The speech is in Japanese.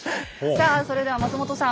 さあそれでは松本さん